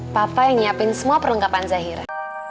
papa yang nyiapin semua perlengkapan zahira